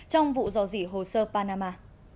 trong vụ dò dỉ hồ sơ panama